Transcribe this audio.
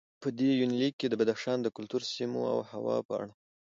په دې یونلیک کې د بدخشان د کلتور، سیمو او هوا په اړه